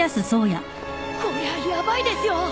こりゃヤバいですよ！